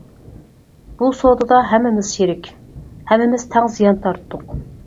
بۇ سودىدا ھەممىمىز شېرىك، ھەممىمىز تەڭ زىيان تارتتۇق.